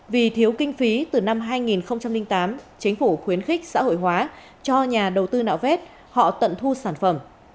vì thiếu kinh phí từ năm hai nghìn tám chính phủ khuyến khích xã hội hóa cho nhà đầu tư nạo vét họ tận thu sản phẩm